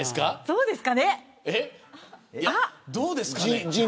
そうですかね。